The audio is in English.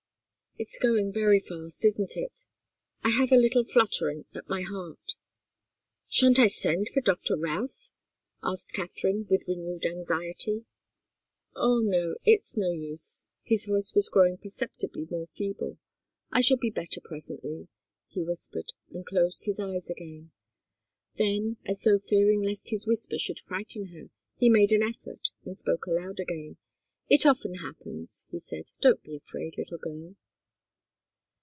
"It's going very fast, isn't it? I have a little fluttering at my heart." "Shan't I send for Doctor Routh?" asked Katharine, with renewed anxiety. "Oh, no it's no use." His voice was growing perceptibly more feeble. "I shall be better presently," he whispered, and closed his eyes again. Then, as though fearing lest his whisper should frighten her, he made an effort and spoke aloud again. "It often happens," he said. "Don't be afraid, little girl."